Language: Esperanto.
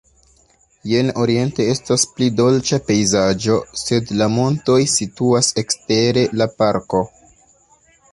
Jen oriente estas pli dolĉa pejzaĝo, sed la montoj situas ekstere la parko.